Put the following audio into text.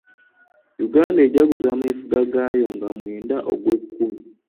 Uganda ejaguza ameefuga gaayo nga mwenda ogwekkumi.